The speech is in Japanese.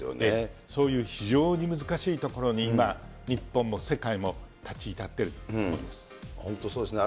そういう非常に難しいところに今、日本も世界も立ち至っていると思本当、そうですね。